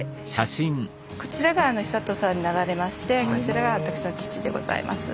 こちらが久渡さんになられましてこちらが私の父でございます。